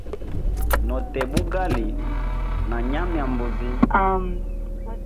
No teya bugali na nyama ya mbuzi.